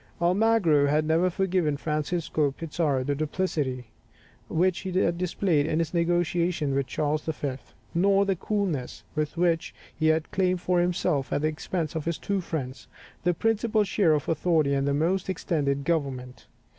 Almagro had never forgiven Francisco Pizarro the duplicity which he had displayed in his negotiations with Charles V., nor the coolness with which he had claimed for himself, at the expense of his two friends, the principal share of authority, and the most extended government.